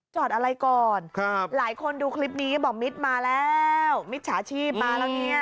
จอดอะไรก่อนครับหลายคนดูคลิปนี้บอกมิตรมาแล้วมิจฉาชีพมาแล้วเนี่ย